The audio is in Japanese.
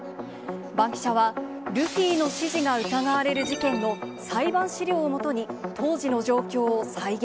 バンキシャは、ルフィの指示が疑われる事件の裁判資料を基に、当時の状況を再現。